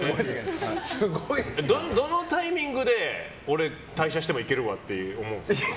どのタイミングで俺、退社してもいけるわって思うの？